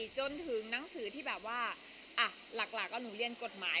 จนถึงหนังสือที่แบบว่าหลักก็หนูเรียนกฎหมาย